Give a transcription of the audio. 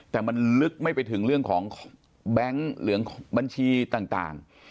แต่มันลึกไม่ไปถึงเรื่องของแบงค์เหลืองบัญชีต่าง